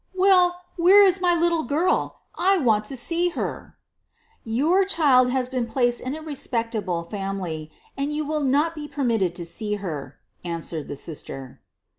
"Well, where is my little girl? I want to see her." "Your child has been placed in a respectable family, and you will not be permitted to see her," answered the sister.